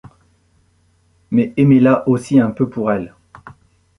Mais aimez-la aussi un peu pour elle.